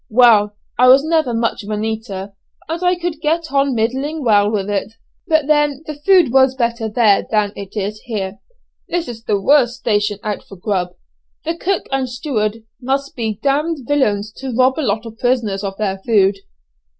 "Well, I was never much of an eater, and I could get on middling well with it; but then the food was better there than it is here. This is the worst station out for 'grub.' The cook and steward must be d villains to rob a lot of prisoners of their food."